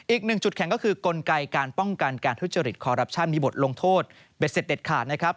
อีกหนึ่งจุดแข่งก็คือกลไกการป้องกันการทุจริตคอรัปชั่นมีบทลงโทษเด็ดเสร็จเด็ดขาดนะครับ